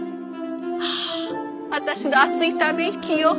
ああ私の熱いため息よ。